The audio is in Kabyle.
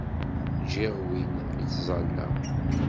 Ǧǧiɣ win mi ttẓallaɣ.